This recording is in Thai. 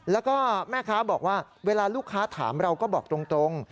แล้วก็แม่ค้าบอกว่าเวลาลูกค้าถามเราก็บอกตรง